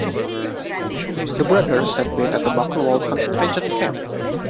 The brothers had been at Buchenwald concentration camp.